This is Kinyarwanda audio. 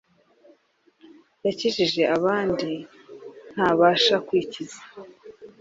yakijije abandi ntabasha kwikiza i